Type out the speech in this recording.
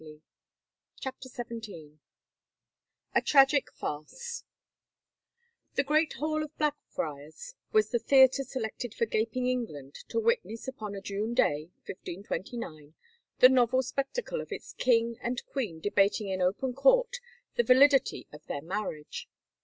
184 CHAPTER XVII A TRAGIC FARCE M^^^HE great Hall of Blackfriars was the theater m CA selected for gaping England to witness upon a ^^^^ June day, 1529, the novel spectacle of its king and queen debating in open court the validity of their marriage.